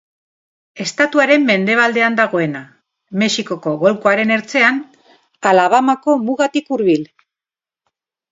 Estatuaren mendebaldean dagoena, Mexikoko Golkoaren ertzean, Alabamako mugatik hurbil.